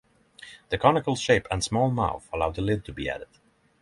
The conical shape and small mouth allowed the lid to be added.